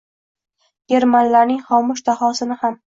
Germanlarning xomush dahosini ham…